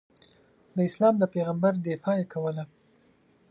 د اسلام د پیغمبر دفاع یې کوله.